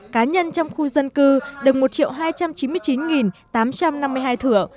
cá nhân trong khu dân cư đựng một hai trăm chín mươi chín tám trăm năm mươi hai thửa